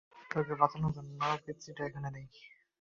তোকে বাঁচানোর জন্য পিচ্চিটা এখানে নেই।